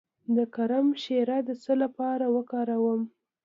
د کرم شیره د څه لپاره وکاروم؟